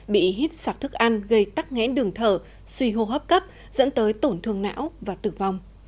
bị hít sạc thức ăn gây tắc nghẽn đường thở suy hô hấp cấp dẫn tới tổn thương não và tử vong